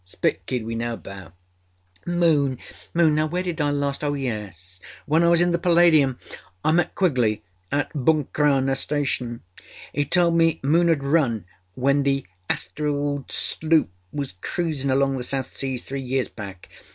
Spit Kid we know about.â âMoonâMoon! Now where did I lastâ¦? Oh yes, when I was in the Palladium! I met Quigley at Buncrana Station. He told me Moon âad run when the Astrild sloop was cruising among the South Seas three years back.